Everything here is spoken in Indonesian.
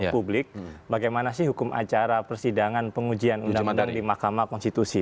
publik bagaimana sih hukum acara persidangan pengujian undang undang di mahkamah konstitusi